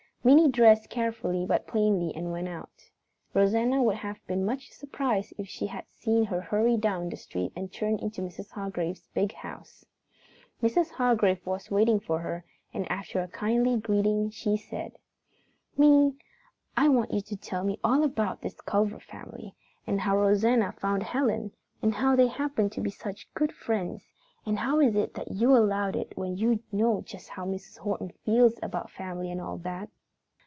Minnie dressed carefully but plainly and went out. Rosanna would have been much surprised if she had seen her hurry down the street and turn into Mrs. Hargrave's big house. Mrs. Hargrave was waiting for her and after a kindly greeting she said: "Minnie, I want you to tell me all about this Culver family, and how Rosanna found Helen, and how they happen to be such good friends, and how it is that you allowed it when you know just how Mrs. Horton feels about family and all that."